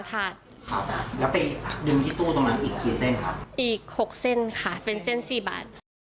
อีก๖เส้นค่ะเป็นเส้น๔บาท